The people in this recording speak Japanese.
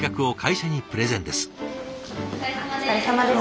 お疲れさまです。